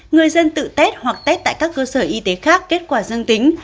người dân tự test hoặc test tại các cơ sở y tế khác kết quả dương tính